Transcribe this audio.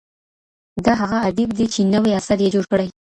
دا هغه ادئب دئ چي نوی اثر یې جوړ کړی.